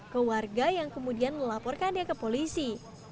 ke warga yang kemudian melaporkannya ke polisi